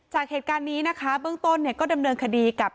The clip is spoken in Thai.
จากเหตุการณ์นี้นะคะเบื้องต้นเนี่ยก็ดำเนินคดีกับ